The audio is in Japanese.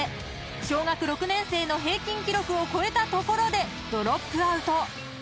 ［小学６年生の平均記録を超えたところでドロップアウト］